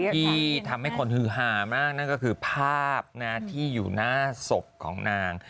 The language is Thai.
ที่ทำให้คนฮือหามากนั่นก็คือภาพที่อยู่หน้าศพของนาง